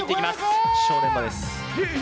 さあ、正念場です。